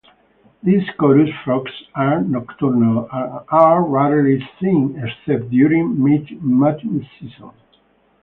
These chorus frogs are nocturnal and are rarely seen, except during mating season.